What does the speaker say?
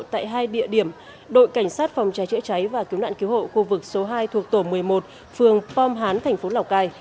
tại hai địa điểm đội cảnh sát phòng cháy chữa cháy và cứu nạn cứu hộ khu vực số hai thuộc tổ một mươi một phường pom hán thành phố lào cai